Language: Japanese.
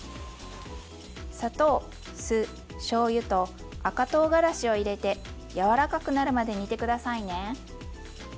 砂糖酢しょうゆと赤とうがらしを入れて柔らかくなるまで煮て下さいね。